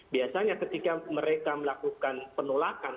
biasanya ketika mereka melakukan penolakan